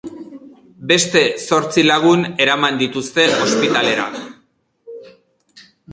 Beste zortzi lagun eraman dituzte ospitalera.